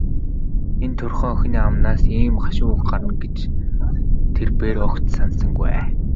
Энэ турьхан охины амнаас ийм гашуун үг гарна гэж тэр бээр огт санасангүй.